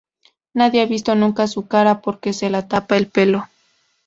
Nadie ha visto nunca su cara porque se la tapa el pelo.